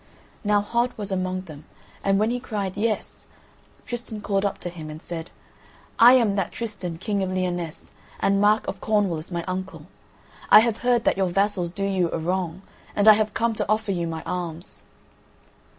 Now Hod was among them; and when he cried "yes," Tristan called up to him and said: "I am that Tristan, King of Lyonesse, and Mark of Cornwall is my uncle. I have heard that your vassals do you a wrong, and I have come to offer you my arms.